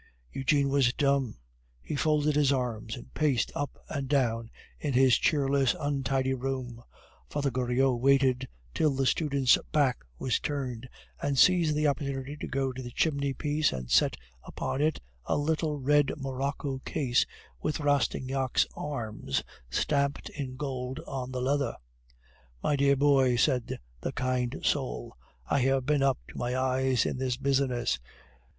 Eugene was dumb. He folded his arms and paced up and down in his cheerless, untidy room. Father Goriot waited till the student's back was turned, and seized the opportunity to go to the chimney piece and set upon it a little red morocco case with Rastignac's arms stamped in gold on the leather. "My dear boy," said the kind soul, "I have been up to the eyes in this business.